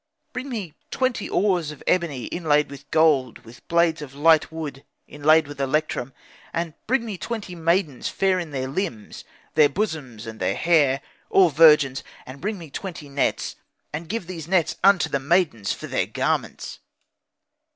Bring me twenty oars of ebony, inlayed with gold, with blades of light wood, inlayed with electrum; and bring me twenty maidens, fair in their limbs, their bosoms and their hair, all virgins; and bring me twenty nets, and give these nets unto the maidens for their garments.'